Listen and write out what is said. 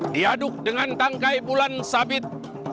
diaduk dengan tangkai bulan sabit